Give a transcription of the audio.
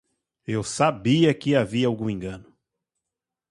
Eu sabia que havia algum engano.